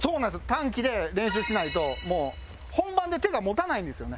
短期で練習しないともう本番で手が持たないんですよね